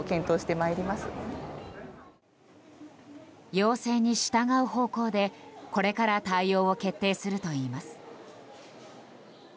要請に従う方向で、これから対応を決定するといいます。